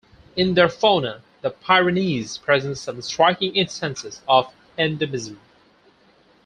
In their fauna the Pyrenees present some striking instances of endemism.